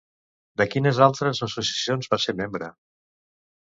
De quines altres associacions va ser membre?